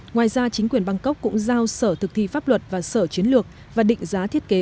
ngoài ra chính quyền bangkok cũng giao sở thực thi pháp luật và sở chiến lược và định giá thiết kế